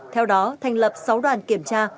theo đó thành lập sáu đoàn kiểm tra